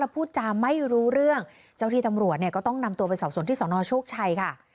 พูดจาไม่รู้เรื่องเจ้าที่ตำรวจเนี่ยก็ต้องนำตัวไปสอบส่วนที่สนโชคชัยค่ะ